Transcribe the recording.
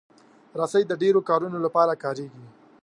رسۍ د ډیرو کارونو لپاره کارېږي.